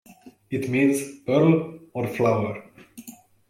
It means pearl or flower.